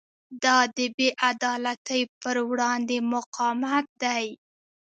دا د بې عدالتۍ پر وړاندې مقاومت دی.